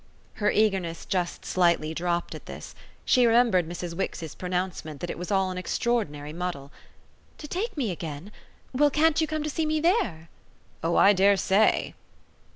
Her eagerness just slightly dropped at this; she remembered Mrs. Wix's pronouncement that it was all an extraordinary muddle. "To take me again? Well, can't you come to see me there?" "Oh I dare say!"